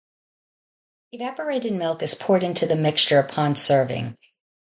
Evaporated milk is poured into the mixture upon serving.